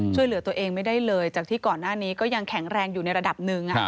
ช่วยเหลือตัวเองไม่ได้เลยจากที่ก่อนหน้านี้ก็ยังแข็งแรงอยู่ในระดับหนึ่ง